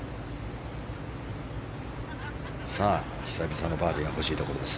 さあ、久々のバーディーが欲しいところです。